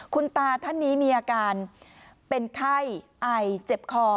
คุณตาท่านนี้มีอาการเป็นไข้ไอเจ็บคอ